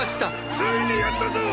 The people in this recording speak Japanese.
ついにやったぞ！